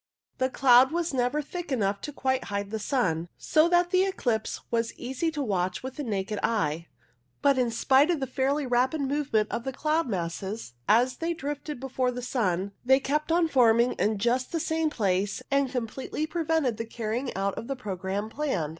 The cloud was never thick enough to quite hide the sun, so that the eclipse was easy to watch with the naked eye ; but in spite of fairly rapid movement of the cloud masses as they drifted before the sun, they kept on forming in just the same place, and com pletely prevented the carrying out of the programme planned.